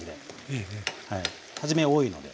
初めは多いので。